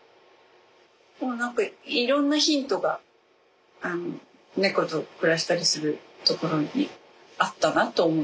でも何かいろんなヒントが猫と暮らしたりするところにあったなと思う。